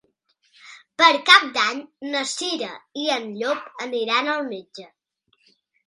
Per Cap d'Any na Cira i en Llop aniran al metge.